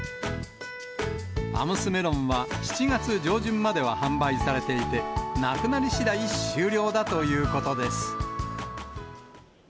アムスメロンは７月上旬までは販売されていて、なくなりしだい終了だということです。